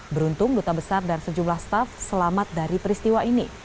beruntung duta besar dan sejumlah staff selamat dari peristiwa ini